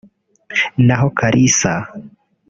n’aho Kalisa